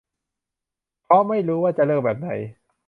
เพราะไม่รู้ว่าจะเลือกแบบไหน